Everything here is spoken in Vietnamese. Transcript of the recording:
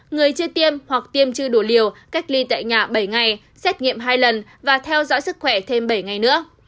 người chưa tiêm hoặc tiêm chưa đủ liều cách ly tại nhà bảy ngày xét nghiệm hai lần và theo dõi sức khỏe thêm bảy ngày nữa